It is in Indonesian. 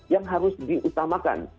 yang harus diutamakan